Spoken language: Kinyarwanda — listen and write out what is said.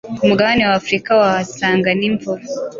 ku mugabane wa Afurika wahasanga ni imvubu